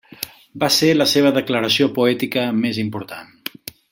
Va ser la seva declaració poètica més important.